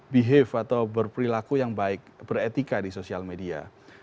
behave atau berperilaku yang baik beretika di sosial media